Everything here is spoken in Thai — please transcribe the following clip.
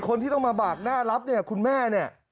คนที่ต้องมาบากหน้ารับเนี่ยคุณแม่เนี่ย